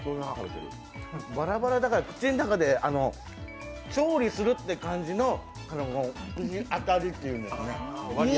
バラバラだから口の中で調理するっていう感じの当たりっていうかね